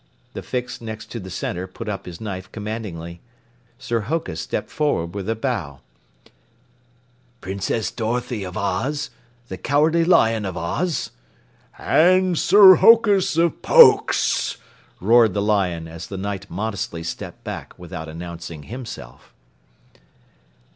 The Fix next to the center put up his knife commandingly. Sir Hokus stepped forward with a bow: "Princess Dorothy of Oz, the Cowardly Lion of Oz." "And Sir Hokus of Pokes," roared the Lion as the Knight modestly stepped back without announcing himself.